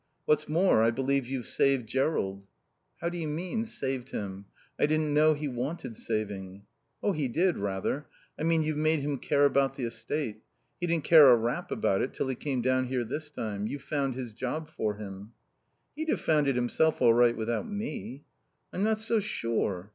What's more, I believe you've saved Jerrold." "How do you mean, 'saved' him? I didn't know he wanted saving." "He did, rather. I mean you've made him care about the estate. He didn't care a rap about it till he came down here this last time. You've found his job for him." "He'd have found it himself all right without me." "I'm not so sure.